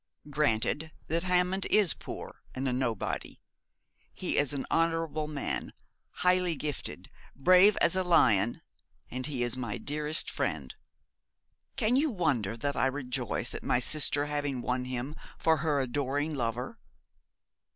Granted that Hammond is poor and a nobody. He is an honourable man, highly gifted, brave as a lion, and he is my dearest friend. Can you wonder that I rejoice at my sister's having won him for her adoring lover?'